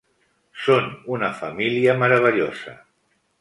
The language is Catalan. Són una família meravellosa.